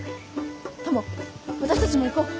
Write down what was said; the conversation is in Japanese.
タマ私たちも行こう。